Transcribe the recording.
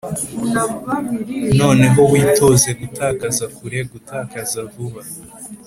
noneho witoze gutakaza kure, gutakaza vuba: